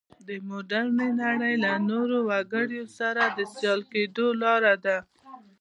د مډرنې نړۍ له نورو وګړو سره سیال کېدو لاره ده.